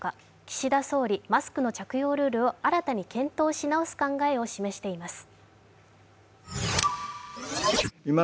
岸田総理、マスクの着用ルールを新たに検討し直す考えを示しています。